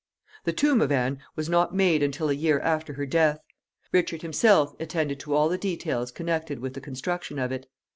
The tomb of Anne was not made until a year after her death. Richard himself attended to all the details connected with the construction of it.